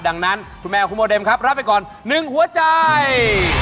ดังนั้นคุณแมวคุณโมเดมครับรับไปก่อน๑หัวใจ